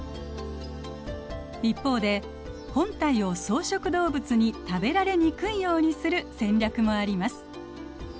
一方で本体を草食動物に食べられにくいようにする戦略もあります。